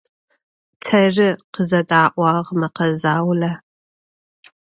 Terı, - khızeda'uağ mekhe zaule.